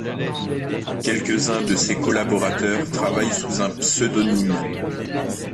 Quelques-uns de ces collaborateurs travaillent sous un pseudonyme.